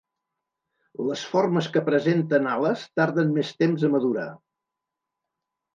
Les formes que presenten ales tarden més temps a madurar.